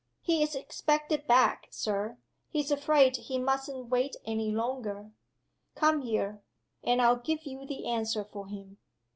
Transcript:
"He's expected back, Sir he's afraid he mustn't wait any longer." "Come here, and I'll give you the answer for him."